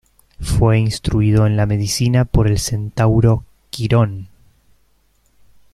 Fue instruido en la medicina por el centauro Quirón.